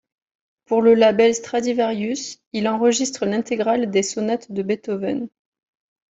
Pour le label Stradivarius, il enregistre l’intégrale des sonates de Beethoven.